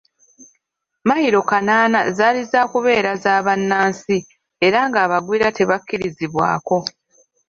Mmayiro kanaana zaali zaakubeera za bannansi era nga abagwira tebakkirizibwako.